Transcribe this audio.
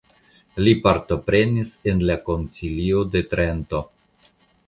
Li partoprenis en la Koncilio de Trento.